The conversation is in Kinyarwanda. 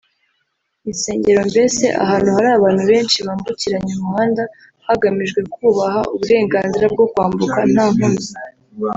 insengero… mbese ahantu hari abantu benshi bambukiranya umuhanda hagamijwe kubaha uburenganzira bwo kwambuka nta nkomyi